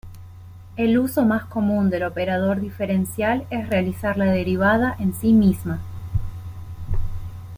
El uso más común del operador diferencial es realizar la derivada en sí misma.